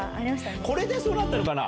これでそうなったのかな？